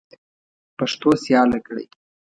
پښتو سیاله کړئ.